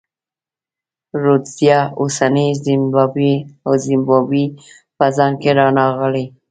رودزیا اوسنۍ زیمبیا او زیمبابوې په ځان کې رانغاړي.